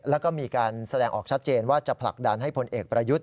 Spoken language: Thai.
แล้วก็มีการแสดงออกชัดเจนว่าจะผลักดันให้พลเอกประยุทธ์